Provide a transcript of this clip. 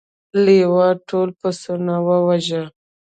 لیوه ټول پسونه وواژه.